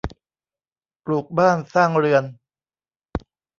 ปลูกบ้านสร้างเรือน